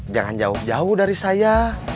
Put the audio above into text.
jangan jauh jauh dari saya